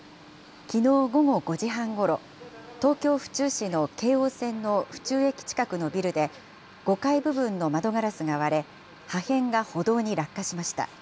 きのう午後５時半ごろ、東京・府中市の京王線の府中駅近くのビルで、５階部分の窓ガラスが割れ、破片が歩道に落下しました。